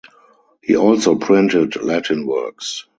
He also printed Latin works.